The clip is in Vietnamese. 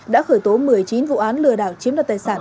đã khởi tố một mươi chín vụ án lừa đảo chiếm đoạt tài sản